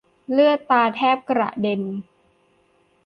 เลือดตาแทบกระเด็น